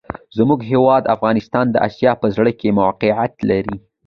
زموږ هېواد افغانستان د آسیا په زړه کي موقیعت لري.